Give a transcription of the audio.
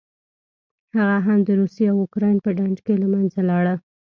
هغه هم د روسیې او اوکراین په ډنډ کې له منځه لاړه.